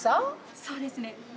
◆そうですね。